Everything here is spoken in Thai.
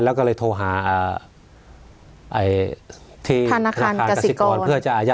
แล้วก็เลยโทรหาที่ธนาคารกสิกรเพื่อจะอายัด